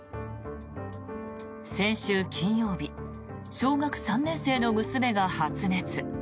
先週金曜日小学３年生の娘が発熱。